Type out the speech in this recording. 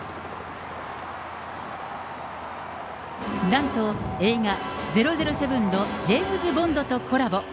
なんと映画００７のジェームズ・ボンドとコラボ。